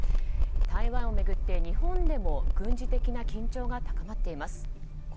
台湾を巡って日本でも軍事的な緊張が高まっています。